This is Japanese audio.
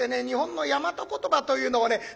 日本の大和言葉というのをね